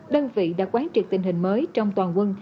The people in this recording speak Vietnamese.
đơn vị đã quán triệt tình hình mới trong toàn quân